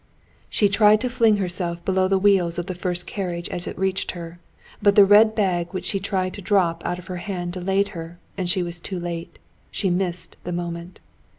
She tried to fling herself below the wheels of the first carriage as it reached her; but the red bag which she tried to drop out of her hand delayed her, and she was too late; she missed the moment.